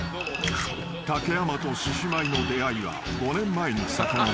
［竹山と獅子舞の出会いは５年前にさかのぼる］